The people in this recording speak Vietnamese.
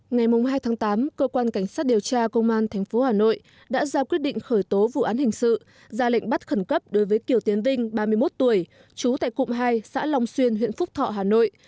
ngày hai tháng tám cơ quan cảnh sát điều tra công an tp hà nội đã ra quyết định khởi tố vụ án hình sự ra lệnh bắt khẩn cấp đối với kiều tiến vinh ba mươi một tuổi trú tại cụm hai xã long xuyên huyện phúc thọ hà nội